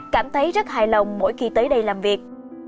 cảm thấy rất hài lòng mỗi khi tới đây làm việc